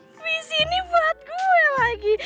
puisi ini buat gue lagi